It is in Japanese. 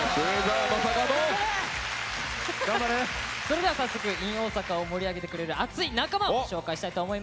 それでは早速「ｉｎ大阪」を盛り上げてくれる熱い仲間を紹介したいと思います。